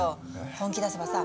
本気出せばさ